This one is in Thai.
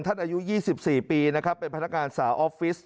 ท่านอายุ๒๔ปีเป็นพนักงานสาวออฟฟิศ